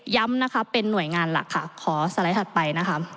ย้ำเป็นหน่วยงานหลักขอสไลด์ถัดไป